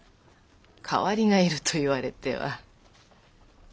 代わりがいると言われては。